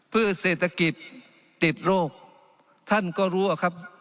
เพื่อเศรษฐกิจติดโรคท่านก็รู้อะครับ